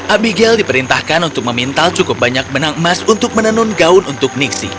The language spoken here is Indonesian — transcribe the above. abigail diperintahkan untuk memintal cukup banyak benang emas untuk menenun gaun untuk nixi